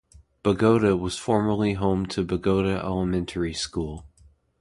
Bogota was formerly home to Bogota Elementary School.